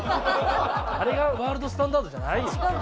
あれがワールドスタンダードじゃないよ。